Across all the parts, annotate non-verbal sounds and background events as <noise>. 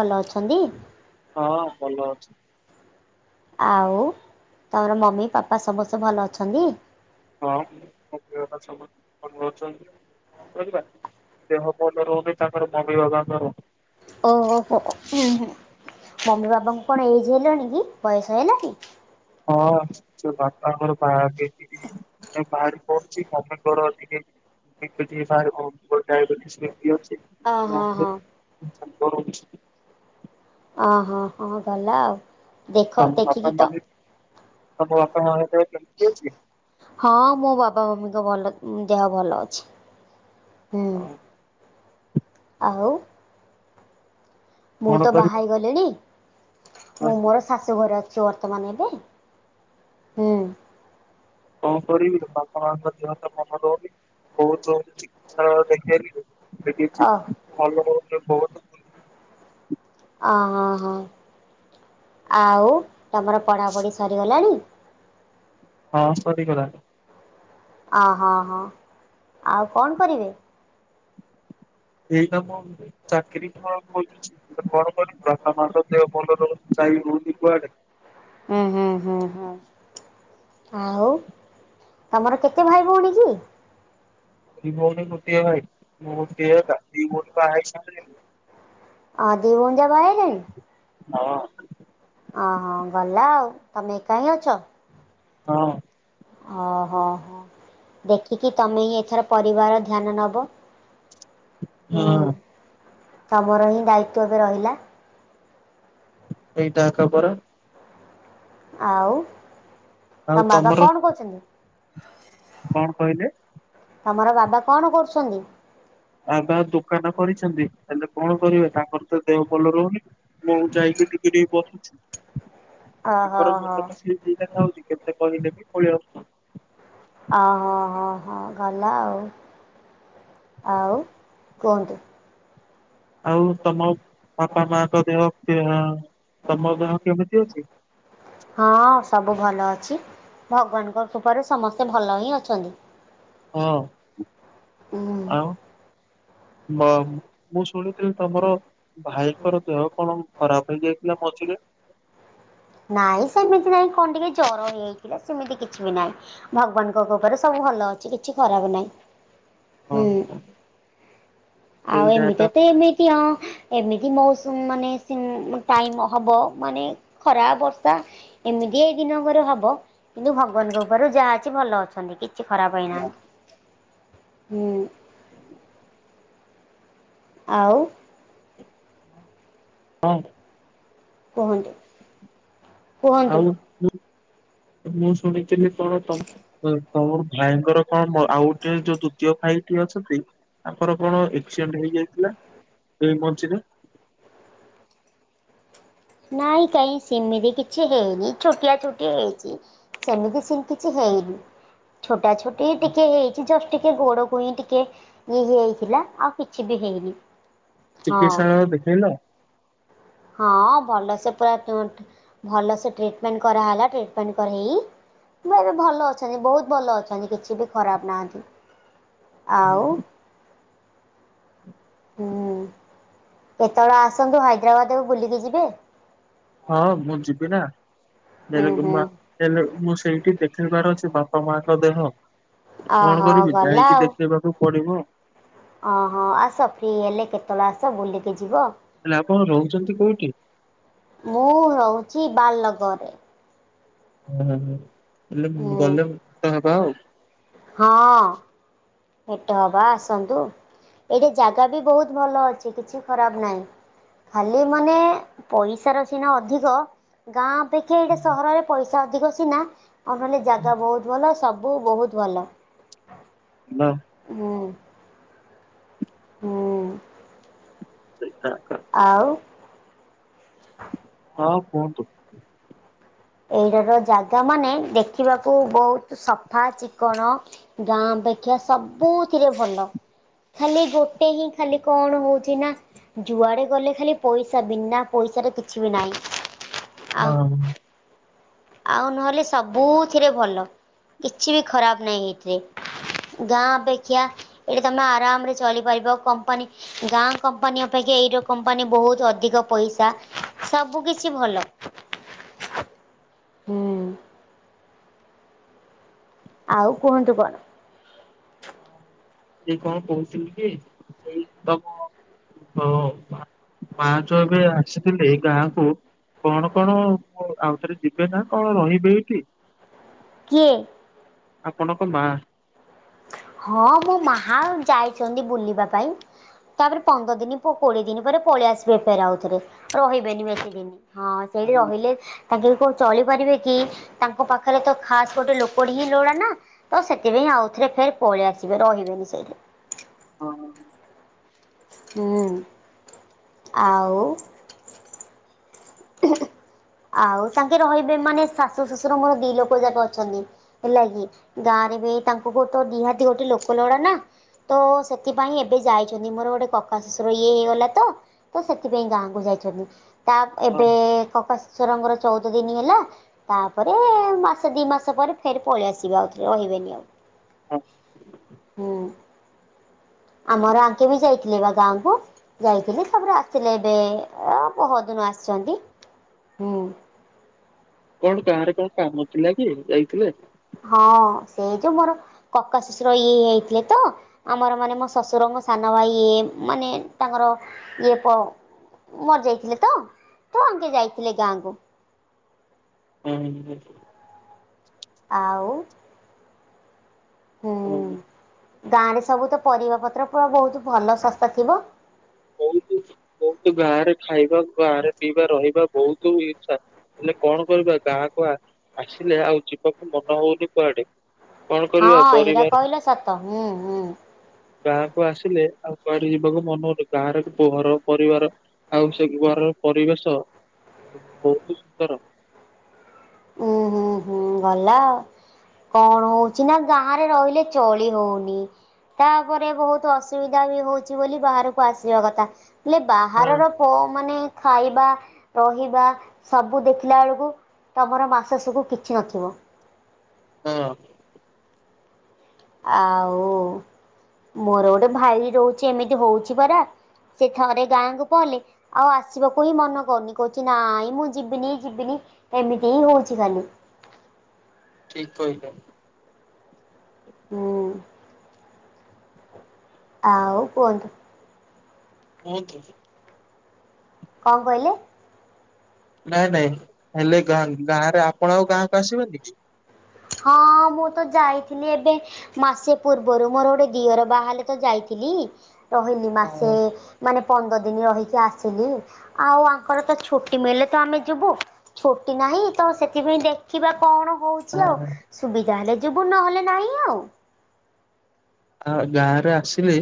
ଭଲ ଅଛନ୍ତି? ହଁ ଭଲ ଅଛି ଆଉ ତମର ମମି ପାପା ସମସ୍ତେ ଭଲ ଅଛନ୍ତି? ହଁ <unintelligible> ଭଲ ଅଛନ୍ତି। ଦେହ ଭଲ ରହୁନି ତାଙ୍କର ମମି ବାବା ଙ୍କର। ଓହୋ ହୋ ହୁଁ ହୁ। ମମି ବାବାଙ୍କୁ କଣ ଏଜ ହେଲାଣି କି ବୟସ ହେଲାଣି? ହଁ ସେ ବାପାଙ୍କର ବାହାଠି ଟିକେ ବାହାରି ପଡୁଛି ମମିଙ୍କର ଟିକେ <unintelligible> ଅ ହ ହ ହଁ। <unintelligible> ଓ ହଁ ହଁ ଗଲା ଆଉ ଦେଖ ଦେଖିକି ତ ଆମ ବାପାଙ୍କ <unintelligible> ହଁ ମୋ ବାବା ମମିଙ୍କ ଭଲ ଦେହ ଭଲ ଅଛି। ହୁଁ ଆଉ ଆଉ। ମୁଁ ତ କଣ ବାହା ହେଇ ଗଲିଣି ମୁଁ କରିବା? ମୋର ଶାଶୁ ଘରେ ଅଛି। ସେ ବର୍ତ୍ତମାନ ଏବେ? ହୁଁ। କଉ କରିବି ବାପା ମା ଙ୍କ ଦେହ ତ ଭଲ ରହୁନି। ବହୁତ <unintelligible> ଦେଖେଇଲିନି ଓ କିଛି ଭଲ ହେଉନି। ଓ ହଁ ହଁ ଆଉ ତମର ପଢ଼ାପଢ଼ି ସରିଗଲାଣି? ହଁ ସରିଗଲାଣି। ଅହଁ ହଁ ଆଉ କଣ କରିବେ? ଏଇନା ମୁଁ ଚାକିରୀ କଣ କରୁଛି। କଣ କରିବି ବାପା ମାଙ୍କ ଦେହ ଭଲ ରହୁନି କିଏ କୋଉଠି କୁଆଡେ? ହୁଁ ହୁଁ ହୁଁ ହ ହୁଁ। ଆଉ ତମର କେତେ ଭାଇ ଭଉଣୀ କି? ଦି ଭଉଣୀ ଗୋଟିଏ ଭାଇ। ମୁ ଗୋଟିଏ ଏକା ଦି ଭଉଣୀ ବାହା ହୋଇସାରିଲେଣି। ହଁ ଦି ଭଉଣୀ ଯା ବାହାହେଲେଣି? ହଁ। ଅ ହ ଭଲ ଆଉ ତମେ ଏକା ହିଁ ଅଛ? ହଁ। ଓ ହୋ ହୋ। ଦେଖିକି ତମେ ହିଁ ଏଥର ପରିବାର ଧ୍ୟାନ ନବ। ହୁଁ। ହଁ। ତମର ହିଁ ଦାୟିତ୍ୱ ଏବେ ରହିଲା। ସେଇଟା ଏକା ପରା। ଆଉ ତମ ଆଉ ବାବା ତମର କଣ କରୁଛନ୍ତି? କଣ କହିଲେ? ତମର ବାବା କଣ କରୁଛନ୍ତି? ବାବା ଦୋକାନ କରିଛନ୍ତି ହେଲେ କଣ କରିବେ ତାଙ୍କର ତ ଦେହ ଭଲ ରହୁନି ମୁଁ ଯାଇକି ଟିକେ ଟିକେ କରୁଛି। ଓହୋ ତାଙ୍କର ହୋ ମୁନ ତ ସିଏ ଯ ଦେଥା ହଉଛି କେତେ କହିଲେ ବି ପଳେଇଆସୁଚ। ଓ ହୋ ହୋ। ହଁ ଗଲା ଆଉ ଆଉ କୁହନ୍ତୁ। ଆଉ ତମ ବାପା ମାଙ୍କ ଦେହ ଦେହ ତମ ଦେହ କେମିତି ଅଛି? ହଁ ସବୁ ଭଲ ଅଛି। ଭଗବାନଙ୍କ କୃପାରୁ ସମସ୍ତେ ଭଲ ହିଁ ଅଛନ୍ତି। ହଁ ଉଁ ଆଉ। ବା ମୁଁ ଶୁଣିଥିଲି ତମର ଭାଇଙ୍କର ଦେହ କଣ ଖରାପ ହେଇ ଯାଇଥିଲା ମଝିରେ। ନାଇଁ ସେମିତି ନାଇଁ କଣ ଟିକେ ଜର ହେଇଯାଇଥିଲା ସେମିତି କିଛି ବି ନହିଁ ଭଗବାନଙ୍କ କୃପାରୁ ସବୁ ଭଲ ଅଛି କିଛି ଖରାପ ନାହିଁ। ହଁ ହୁଁ ହଁ ଆଉ ସେଇଟା ଏକା ଏମିତି ତ ଏମିତି ହଁ। ଏମିତି ମୋୖସୁମୁଁ ମାନେ ସିଂ ଟାଇମ ହବ ମାନେ ଖରା ବର୍ଷା ଏମିତି ଏଇ ଦିନଙ୍କର ହବ କିନ୍ତୁ ଭଗବାନଙ୍କ କୃପାରୁ ଯାହା ଅଛି ଭଲ ଅଛନ୍ତି କି କିଛି ଖରାପହେଇନାହିଁ ହୁଁ ଆ ଆଉ। <unintelligible> କୁହନ୍ତୁ। କୁହନ୍ତୁ। ଆଉ ମୁ ମୁଁ ଶୁଣିଥିଲି କଣ ତମ ହ ତମ ଭାଇଙ୍କର କଣ ମ ଆଉ ଗୋଟେ ଯୋଉ ଦ୍ଵିତୀୟ ଭାଇ ଟିଏ ଅଛନ୍ତି? ତାଙ୍କର କଣ ଏକ୍ସିଡେଣ୍ଟ ହେଇଯାଇଥିଲା ଏଇ ମଝିରେ। ନାଇଁ କାଇଁ ସେମିତି କିଛି ହେଇନି ଛୋଟିଆ ଛୋଟିଆ ହେଇଛି। ସେମିତି ସେମିତି କିଛି ହେଇନି ଛୋଟା ଛୋଟି ଟିକେ ହେଇଛି ଜଷ୍ଟ ଟି ଟିକେ ଗୋଡକୁଇଁ ଟିକେ ଇ ହେଇଥିଲା ଆଉ କିଛି ବି ହେଇନି। ହଁ ଚିକିତ୍ସାୟ ଦେଖେଇଲ। ହଁ ଭଲସେ ପୁରା ଭଲ ସେ ଟ୍ରିଟମେଣ୍ଟ କରାହେଲା ଟ୍ରିଟମେଣ୍ଟ କରେଇ ମୁଁ ଏବେ ଭଲ ଅଛନ୍ତି ବହୁତ ଭଲ ଅଛନ୍ତି କିଛି ବି ଖରାପ ନାହାନ୍ତି। ଆଉ। ହୁଁ କେତେବେଳେ ଆସନ୍ତୁ ହାଇଦ୍ରାବାଦକୁ ବୁଲିକି ଯିବେ। ହଁ ମୁଁ ଯିବି ନା। ଉୁଁ ନେଲେ ହୁଁ କିମ୍ବା ମୁଁ ସେଇଠି ଦେଖେଇିବାର ଅଛି ବାପା ମାଙ୍କ ଦେହ। କଣ ଓହୋ କରିବି ଯାଇକି ଦେଖେଇବାକୁ ପଡ଼ିବ। ଅହ ଆସ ଫ୍ରି ହେଲେ କେତେବେଳେ ଆସ ବୁଲିକି ଯିବ। ହେଲେ ଆପଣ ରହୁଛନ୍ତି କୋଉଠି? ମୁଁ ରହୁଛି ବାଲଲଗରରେ। ହୁଁ ହୁଁ ହେଲେ ହୁଁ ଗଲେ ଭେଟ ହେବା ଆଉ। ହଁ। ଭେଟ ହବା ଆସନ୍ତୁ। ଏଠି ଜାଗା ବି ବହୁତ ଭଲ ଅଛି କିଛି ଖରାପ ନାହିଁ। ଖାଲି ମାନେ ପଇସାର ସିନା ଅଧିକ ଗାଁ ଅପେକ୍ଷା ଏଇଟା ସହରରେ ପଇସା ଅଧିକ ସିନା ଆଉ ନହେଲେ ଜାଗା ବହୁତ ଭଲ ସବୁ ସବୁ ବହୁତ ଭଲ। ହୁଁ। ହୁଁ। ସେ <unintelligible> ଆଉ ହଁ କୁହନ୍ତୁ। ଏଇଟାର ଜାଗା ମାନେ ଦେଖିବାକୁ ବହୁତ ସଫା ଚିକଣ ଗାଁ ଦେଖିଆ ସବୁଥିରେ ଭଲ ଖାଲି ଗୋଟେ ହିଁ ଖାଲି କଣ ହଉଚି ନା ଯୁଆଡେ ଗଲେ ଖାଲି ପଇସା ବିନା ପଇ ପଇସାରେ କିଛି ବି ନାହିଁ। ଆଉ ମାମ ଆଉ ନହେଲେ ସବୁଥିରେ ଭଲ କିଛି ବି ଖରାପ ନାହିଁ ଏଇଥିରେ। ଗାଁ ଅପେକ୍ଷା ଏଠି ତମେ ଆରାମରେ ଚଳିପାରିବ କମ୍ପାନୀ ଗାଁ କମ୍ପାନୀ ଅପେକ୍ଷା ଏଇଯୋଉ କମ୍ପାନୀ ବହୁତ ଅଧିକ ପଇସା ସବୁ କିଛି ଭଲ। ହୁଁ। ଆଉ କୁହନ୍ତୁ କଣ। ଏଇ କଣ କହୁଥିଲି କି ସେଇ ତମ ପାଞ୍ଚ ଏବେ <unintelligible> ଏଇ ଗାଁ କୁ କଣ କଣ ଆଉ ଥରେ ଯିବେ ନା କଣ ରହିବେ ଏଇଠି? କିଏ? ଆପଣ ଙ୍କ ମା। ହଁ ମୁଁ ମାହା ଯାଇଚନ୍ତି ବୁଲିବା ପାଇଁ। ତାପରେ ପନ୍ଦର ଦିନ କୋଡିଏ ଦିନ ପରେ ପଳେଇ ଆସିବେ ଫେରେ ଆଉଥରେ ରହିବେନି ବେଶୀ ଦିନ। ହଁ ସେଇଠି ରହିଲେ ତାଙ୍କେ କଣ ଚଳିପାରିବେ କି ତାଙ୍କ ପାଖରେ ତ ଖାସ ଗୋଟେ ଲୋକଟି ହିଁ ଲୋଡ଼ା ନା ତ ସେଥିପାଇଁ ଆଉ ସେଥିରେ ଫେରେ ପଳେଇ ଆସିବେ ରହିବେନି ସେଇଠି। ହଁ। ହୁଁ ଆଉ। <inaudible> ଆଉ ତାଙ୍କେ ରହିବେ ମାନେ ଶାଶୁ ଶ୍ୱଶୁର ମୋର ଦି ଲୋକ ଯାକ ଅଛନ୍ତି ହେଲା କି ଗାଁ ନିହାତି ଗୋଟେ ଲୋକ ଲୋଡ଼ା ନା ତ ସେଥିପାଇଁ ଏବେ ଯାଇଛନ୍ତି ମୋର ଗୋଟେ କ କା ଶଶୁର ଇଏ ହେଇଗଲା ତ ତ ସେଥିପାଇଁ ଗାଁକୁ ଯାଇଚନ୍ତି। ହଁ ଏବେ କକା ଶ୍ୱଶୁରଙ୍କର ଚଉଦ ଦିନ ହେଲା ତାପରେ ମାସେ ଦି ମାସ ପରେ ଫେରେ ପଳେଇ ଆସିବେ ଆଉ ଥରେ ରହିବେନି ଆଉ। ହଁ। ହୁଁ। ଆମର ଆଙ୍କେ ବି ଯାଇଥିଲେ ବା ଗାଁକୁ ଯାଇଥିଲେ ତାପରେ ଆସିଥିଲେ ଏବେ ଏ ପରଦିନ ଆ ଆସୁଚନ୍ତି ହୁଁ। କଣ ଗାଁ ରେ କଣ କାମ ଥିଲା କି ଯାଇଥିଲେ। ହଁ ସେଇ ଯୋଉ ମୋର କକା ଶ୍ୱଶୁର ଇଏ ହେଇଯାଇଥିଲେ ତ ଆମର ମାନେ ମୋ ଶଶୁର ମୋ ସାନ ଭାଇ ମାନେ ତାଙ୍କର ଇଏ ପ ମରି ଯାଇଥିଲେ ତ ତ ଆଙ୍କେ ଯାଇଥିଲେ ଗାଁକୁ। ଉହୁଁ। ଆଉ ହୁଁ। ହଁ, ଗାଁ ରେ ସବୁ ତ ପରିବା ପତ୍ର ପୁରା ବହୁତ ଭଲ ଶସ୍ତା ଥିବ। ବହୁତ ବହୁତ ଗାଁରେ ଖାଇବା ଗାଁରେ ପିଇବା ରହିବା ବହୁତ ଇଛା। ହେଲେ କଣ କରିବା ଗାଁକୁ ଆସିଲେ ଆଉ ଯିବାକୁ ମନ ହଉନି କୁଆଡେ। କଣ ହଁ କରିବା ଏଇଟା ପରିବାର କହିଲ ସତ ହୁଁ। ହୁଁ ଗାଁକୁ ଆସିଲେ ଆଉ କୁଆଡି ଯିବାକୁ ମନ ହଉନି ଗାଁରେ ଘର ପରିବାର ଆଉ ସେ ଘରର ପରିବେଶ ବହୁତ ସୁନ୍ଦର। ଉୁଁ ହୁଁ ହୁଁ ଗଲା ଆ କଣ ହଉଛି ନା ଗାଁରେ ରହିଲେ ଚଳି ହଉନି। ତାପରେ ବହୁତ ଅସୁବିଧା ବି ହଉଛି ବୋଲି ବାହାରକୁ ଆସିବା କଥା। ହେଲେ ହଁ ବାହାରର ପ ମାନେ ଖାଇବା ରହିବା ସବୁ ଦେଖିଲା ବେଳକୁ ତାପର ମାସେ ସବୁ କିଛି ନଥିବ। ହଁ। ଆଉ ମୋର ଗୋଟେ ଭାଇ ରହୁଛି ଏମିତି ହଉଛି ପରା। ସେ ଥରେ ଗାଁକୁ ପହଲେ ଆଉ ଆସିବାକୁ ହିଁ ମନ କରୁନି କହୁଛି ନାଇଁ ମୁଁ ଯିବିନି ଯିବିନି। ଏମିତି ହିଁ ହଉଛି ଖାଲି। ଠିକ କହିଲେ। ହୁଁ। ଆଉ କୁହନ୍ତୁ। <unintelligible> ଆ ତ କଣ କହିଲେ? ନାଇଁ ନାଇଁ ହେଲେ ଗାଁ ଗାଁରେ ଆପଣ ଆଉ ଗାଁକୁ ଆସିବନି କି? ହଁ ମୁଁ ତ ଯାଇଥିଲି ଏବେ ମାସେ ପୂର୍ବରୁ ମୋର ଗୋଟେ ଦିଅର ବାହା ହେଲେ ତ ଯାଇ ଯାଇଥିଲି, ରହିଲି ମାସେ ହଁ ମାନେ ପନ୍ଦର ଦିନ ରହିକି ଆସିଲି। ଆଉ ଆଙ୍କର ତ ଛୁଟି ମିଳିଲେ ତ ଆମେ ଯିବୁ ଛୁଟି ନା ନାଇଁ ତ ସେଥିପାଇଁ ଦେଖିବା କଣ? ହେଇଚି ଆଉ ହଁ। ସୁବିଧା ହେଲେ ଯିବୁ ନହେଲେ ନାହିଁ ଆଉ। ଆ ଗାଁରେ ଆସିଲେ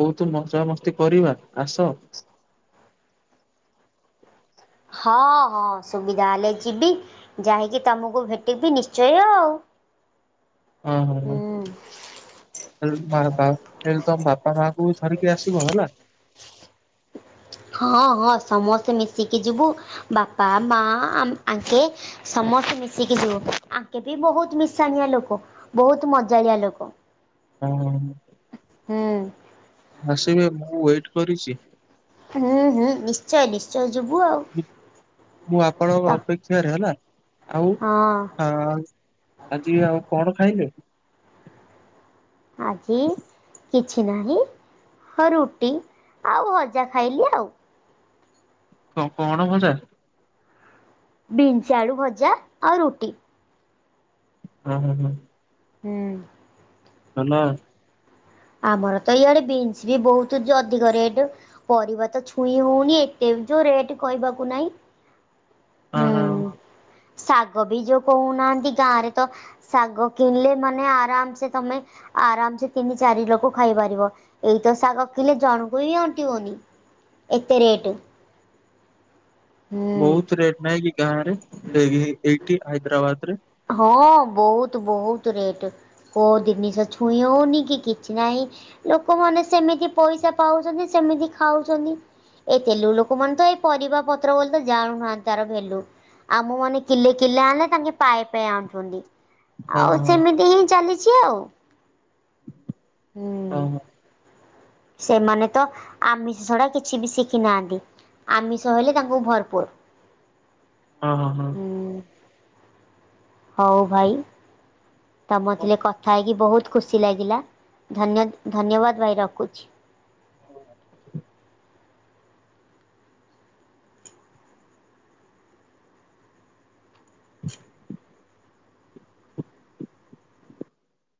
ବହୁତ ମଜାମସ୍ତି କରିବା ଆସ। ହଁ ହଁ ସୁବିଧା ହେଲେ ଯିବି ଯାଇକି ତମକୁ ଭେଟିବି ନିଶ୍ଚୟ ଆଉ। <inaudible> ହଁ ହ ହ। ହୁଁ। ହେଲେ ତ ମ ବା ହେଲା ତମ ବାପା ମାଙ୍କୁ ଧରିକି ଆସିବ ହେଲା। ହଁ ହଁ ସମସ୍ତେ ମିଶିକି ଯିବୁ, ବାପା ମା ଆ ଆଙ୍କେ ସ ମସ୍ତେ ମିଶିକି ଯିବୁ, ଆଙ୍କେ ବି ବହୁତ ମିଶାଣିଆ ଲୋକ, ବହୁତ ମଜାଳିଆ ଲୋକ। ହଁ। ହୁଁ। ଆସିବେ ମୁଁ ୱେଟ କରିଚି। ହୁଁ ହୁଁ ନିଶ୍ଚୟ ନିଶ୍ଚୟ। ଯିବୁ ଆଉ <inaudible> ମୁଁ ତ ଆପଣଙ୍କ ଅପେକ୍ଷାରେ ହେଲା ଆଉ ହଁ ହ ଆଜି ଆଉ କଣ ଖାଇଲେ? ଆଜି କିଛି ନାହିଁ। ହଁ ରୁଟି ଆଉ ହଜା ଖାଇଲି ଆଉ। କଣ କଣ ଭଜା? ବିନ୍ସ ଆଳୁ ଭଜା ଆଉ ରୁଟି। ଅ ହ ହଁ। ହୁଁ। ଧନ ଆମର ତ ଇଆଡେ ବିନ୍ସ ବି ବହୁତ ଚ ଅଧିକ ରେଟ ପରିବା ତ ଛୁଇଁ ହଉନି ଏତ ଯୋଉ ରେଟ କହିବାକୁ ନାଇଁ ହଁ ହଁ। ହୁଁ। ଶାଗ ବି ଯୋଉ କହୁନାହାନ୍ତି ଗାଁରେ ତ ଶାଗ କିଣିଲେ ମାନେ ଆରାମ ସେ ତମେ ଆରାମ ସେ ତିନି ଚାରି ଲୋକ ଖାଇପାରିବ, ଏଇତ ଶାଗ କିଣିଲେ ଜଣଙ୍କୁ ବି ଅଣ୍ଟିବନି। ଏତେ ରେଟ୍। ହୁଁ ବହୁତ ରେଟ ନେଇ କି ଗାଁ ରେ ଏ- ଏଇଠି ହାଇଦ୍ରାବାଦ ରେ? ହଁ ବହୁତ ବହୁତ ରେଟ, କୋଉ ଦିନିଷ ଛୁଇଁ ହଉନି କି କିଛି ନାହିଁ। ଲୋକମାନେ ସେମିତି ପଇସା ପାଉଚନ୍ତି ସେମିତି ଖାଉଚନ୍ତି। ଏଇ ତେଲୁଗୁ ଲୋକ ମାନେ ତ ଏଇ ପରିବା ପତ୍ର ବୋଲି ତ ଜାଣୁନାହାନ୍ତି ତାର ଭେଲ୍ୟୁ। ଆମ ମାନେ କିଲେ କିଲେ ଆଣିଲେ ତାଙ୍କେ ପାଏ ଙ୍କ ପାଏ ଆଣୁଚନ୍ତି ହଁ ଆଉ ହଁ ହଁ। ସେମିତି ହିଁ ଚାଲିଚି ଆଉ। ଅ ହୋ। ସେମାନେତ ଆମିଷ ଛଡା କିଛି ବି ଶିଖି ନାହାଁନ୍ତି। ଆମିସ ହେଲେ ତାଙ୍କୁ ଭରପୁର। ଅ ହଁ ହଁ। ହୁଁ ହଉ ଭାଇ। ହଁ ତମଥିଲେ କଥା ହେଇକି ବହୁତ ଖୁସି ଲାଗିଲା ଧନ୍ୟ ଧନ୍ୟବାଦ ଭାଇ ରଖୁଚି। <inaudible>